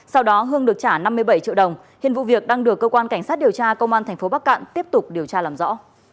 sau đó hương được trả năm mươi bảy triệu đồng hiện vụ việc đang được cơ quan cảnh sát điều tra công an tp bắc cạn tiếp tục điều tra làm rõ